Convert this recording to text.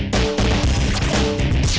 nggak akan ngediam nih